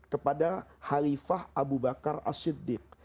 kepada halifah abu bakar asyiddiq